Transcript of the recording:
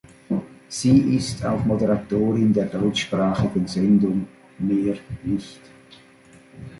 Sie ist auch Moderatorin der deutschsprachigen Sendung "mehr licht!